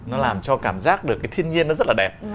nó làm cho cảm giác được cái thiên nhiên nó rất là đẹp